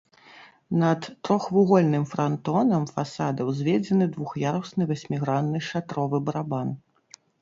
Над трохвугольным франтонам фасада ўзведзены двух'ярусны васьмігранны шатровы барабан.